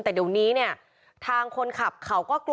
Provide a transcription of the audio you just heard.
แต่เดี๋ยวนี้เนี่ยทางคนขับเขาก็กลัว